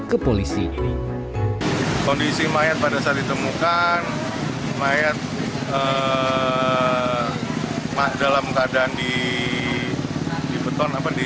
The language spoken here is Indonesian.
ke polisi kondisi mayat pada saat ditemukan mayat mak dalam keadaan di beton apa di